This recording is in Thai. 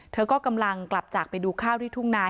เธอก็กำลังกลับจากไปดูข้าวที่ทุ่งนา